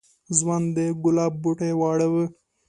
ځوان د گلاب بوټی واړاوه.